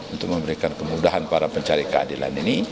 untuk memberikan kemudahan para pencari keadilan ini